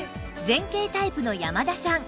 前傾タイプの山田さん